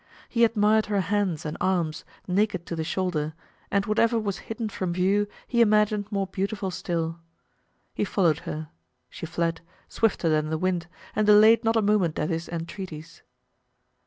He admired her hands and arms, naked to the shoulder, and whatever was hidden from view he imagined more beautiful still. He followed her; she fled, swifter than the wind, and delayed not a moment at his entreaties.